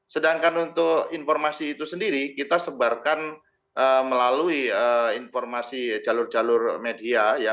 sedangkan untuk informasi itu sendiri kita sebarkan melalui informasi jalur jalur media ya